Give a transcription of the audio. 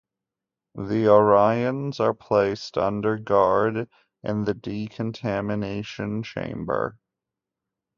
The Orions are placed under guard in the decontamination chamber.